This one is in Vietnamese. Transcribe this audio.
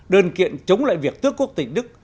đơn kiện chống lại việc tước quốc tịch đức